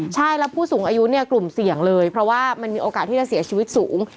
ใช่แล้วผู้สูงอายุเนี่ยกลุ่มเสี่ยงเลยเพราะว่ามันมีโอกาสที่จะเสียชีวิตสูง